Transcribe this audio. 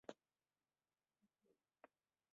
Weɛad ur d-tṣeggmed aselkim-nnem?